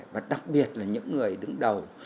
và đặc biệt là những người đứng đầu